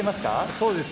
そうですね。